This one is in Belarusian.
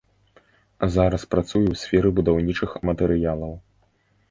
Зараз працую ў сферы будаўнічых матэрыялаў.